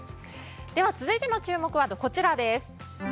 では、続いての注目ワードこちらです。